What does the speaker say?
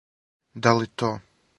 Да ли то?